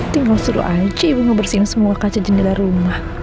tinggal suruh aja ibu ngebersihin semua kaca jendela rumah